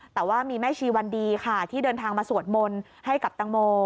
แต่ว่ามีแม่ชีวันดีค่ะที่เดินทางมาสวดมนต์ให้กับตังโม